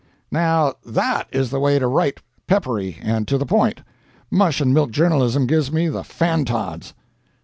"Now that is the way to write peppery and to the point. Mush and milk journalism gives me the fan tods."